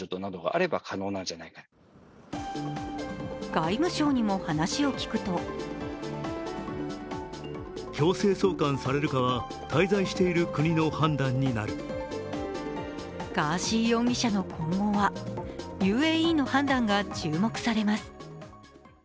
外務省にも話を聞くとガーシー容疑者の今後はＵＡＥの判断が注目されます。